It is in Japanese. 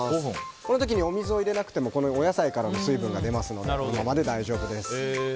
この時にお水を入れなくてもお野菜からも水分が出ますのでこのままで大丈夫です。